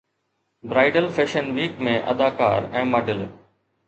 bridal fashion week ۾ اداڪار ۽ model